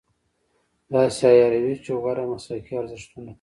داسې عیاروي چې غوره مسلکي ارزښتونو ته.